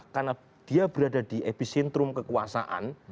karena dia berada di episentrum kekuasaan